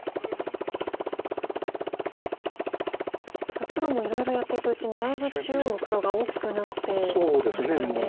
ただ黒もいろいろやっていくうちにだいぶ中央の黒が大きくなってきましたよね。